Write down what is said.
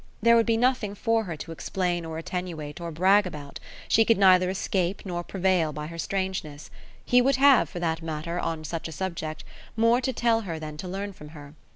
There would be nothing for her to explain or attenuate or brag about; she could neither escape nor prevail by her strangeness; he would have, for that matter, on such a subject, more to tell her than to learn from her.